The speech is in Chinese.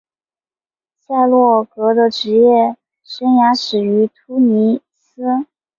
萨诺戈的职业生涯始于突尼斯。